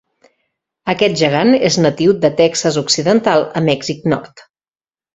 Aquest gegant és natiu de Texas occidental a Mèxic nord.